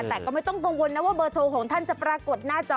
แต่ก็ไม่ต้องกังวลนะว่าเบอร์โทรของท่านจะปรากฏหน้าจอ